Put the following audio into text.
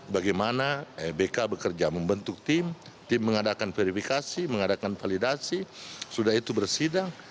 bagaimana lbk bekerja membentuk tim tim mengadakan verifikasi mengadakan validasi sudah itu bersidang